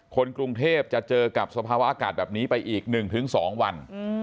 คนกรุงเทพจะเจอกับสภาวะอากาศแบบนี้ไปอีก๑๒วัน